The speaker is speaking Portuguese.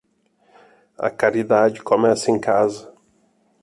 A caridade começa em casa.